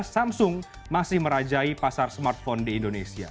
samsung masih merajai pasar smartphone di indonesia